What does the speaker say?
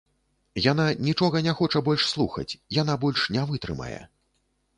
Яна нічога не хоча больш слухаць, яна больш не вытрымае.